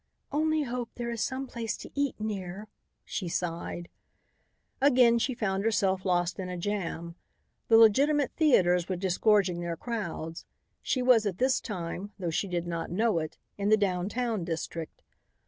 "Only hope there is some place to eat near," she sighed. Again she found herself lost in a jam; the legitimate theaters were disgorging their crowds. She was at this time, though she did not know it, in the down town district.